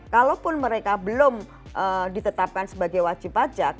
kalaupun mereka belum ditetapkan sebagai wajib pajak